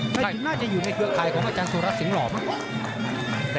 และก็น่าจะอยู่ในเกื้อกครายของอาจารย์สูรรัชสิงหล่อมาก